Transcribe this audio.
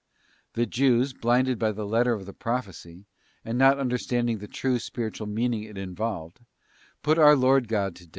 The Jews, blinded by the letter of the prophecy, and not understanding the true spiritual meaning it involved, put our Lord God to death.